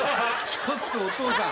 ちょっとお父さん。